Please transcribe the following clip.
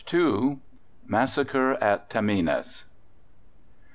MASSACRE AT TAMINES.